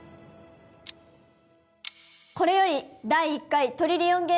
これより第１回トリリオンゲーム